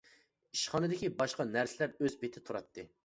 ئىشخانىدىكى باشقا نەرسىلەر ئۆز پېتى تۇراتتى.